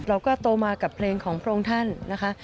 โตมากับเพลงของพระองค์ท่านนะคะ